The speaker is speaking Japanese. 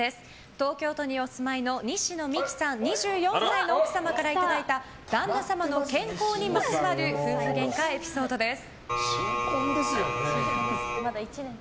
東京都にお住いの西野未姫さん、２４歳の奥様からいただいた旦那様の健康にまつわる夫婦ゲンカエピソードです。